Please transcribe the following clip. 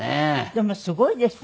でもすごいですね。